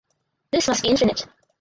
This must be infinite.